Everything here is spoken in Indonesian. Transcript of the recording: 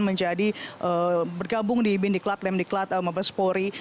menjadi bergabung di bindiklat lemdiklat mabespori